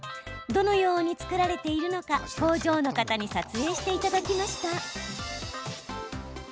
どのように作られているのか工場の方に撮影していただきました。